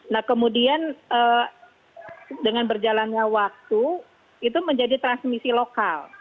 nah kemudian dengan berjalannya waktu itu menjadi transmisi lokal